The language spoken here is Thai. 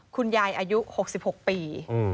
คุณยายอายุ๖๖ปี